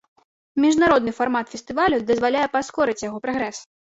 Міжнародны фармат фестывалю дазваляе паскорыць яго прагрэс.